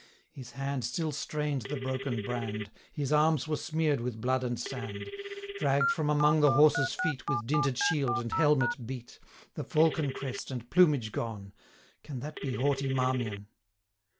His hand still strain'd the broken brand; His arms were smear'd with blood and sand: Dragg'd from among the horses' feet, 860 With dinted shield, and helmet beat, The falcon crest and plumage gone, Can that be haughty Marmion!